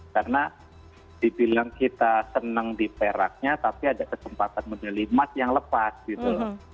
karena dibilang kita senang di peraknya tapi ada kesempatan medali emas yang lepas gitu loh